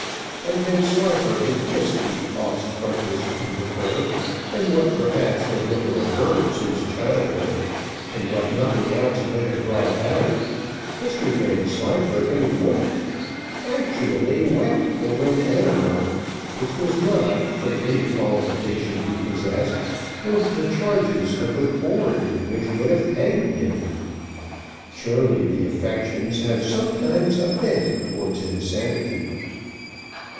and Vanslyperken kissed the os frontis of the cur, and what perhaps had never occurred since childhood, and what nothing else could have brought about, Mr Vanslyperken wept actually wept over an animal, which was not, from any qualification he possessed, worth the charges of the cord which would have hanged him. Surely the affections have sometimes a bent towards insanity.